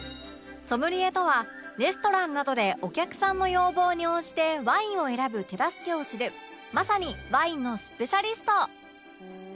ソムリエとはレストランなどでお客さんの要望に応じてワインを選ぶ手助けをするまさにワインのスペシャリスト